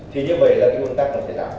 thì như vậy là cái ủn tắc nó sẽ đảm